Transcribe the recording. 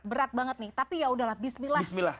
berat banget nih tapi yaudahlah bismillah